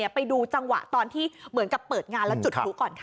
ไปดูจังหวะตอนที่เหมือนกับเปิดงานแล้วจุดพลุก่อนค่ะ